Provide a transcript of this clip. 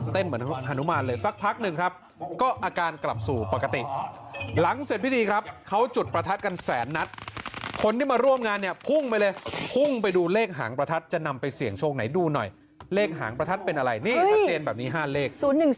เหมือนฮานุมานเลยสักพักหนึ่งครับก็อาการกลับสู่ปกติหลังเสร็จพิธีครับเขาจุดประทัดกันแสนนัดคนที่มาร่วมงานเนี่ยพุ่งไปเลยพุ่งไปดูเลขหางประทัดจะนำไปเสี่ยงโชคไหนดูหน่อยเลขหางประทัดเป็นอะไรนี่ชัดเจนแบบนี้๕เลข๐๑๔